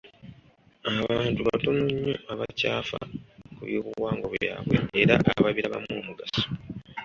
Abantu batono nnyo abakyafa ku by'obuwangwa bwabwe era ababirabamu omugaso.